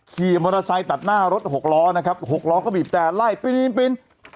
ขี่มอเตอร์ไซค์ตัดหน้ารถหกล้อนะครับ๖ล้อก็บีบแต่ไล่ปีน